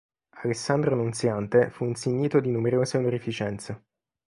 Alessandro Nunziante fu insignito di numerose onorificenze.